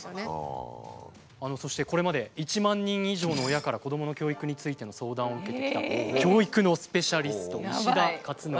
そしてこれまで１万人以上の親から子どもの教育についての相談を受けてきた教育のスペシャリスト石田勝紀さん。